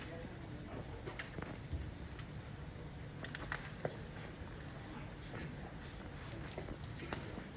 ผมไม่กล้าด้วยผมไม่กล้าด้วยผมไม่กล้าด้วย